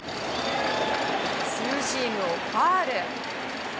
ツーシームをファウル。